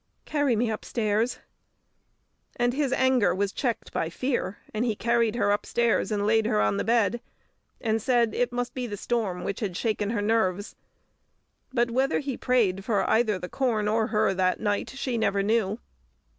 Carry me upstairs!" And his anger was checked by fear, and he carried her upstairs and laid her on the bed, and said it must be the storm which had shaken her nerves. But whether he prayed for either the corn or her that night she never knew.